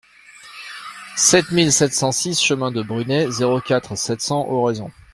sept mille sept cent six chemin de Brunet, zéro quatre, sept cents, Oraison